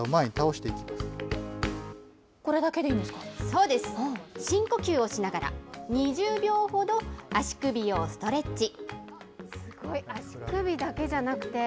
そうです、深呼吸をしながら、２０秒ほど、足首をストレッチ。